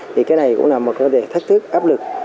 thì cái này cũng là một cơ thể thách thức áp lực